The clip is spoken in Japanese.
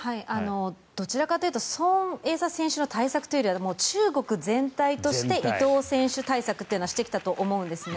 どちらかというとソン・エイサ選手の対策というよりは中国全体として伊藤選手対策っていうのをしてきたと思うんですね。